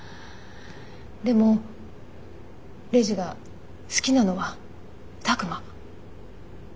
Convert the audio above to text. でもレイジが好きなのは拓真。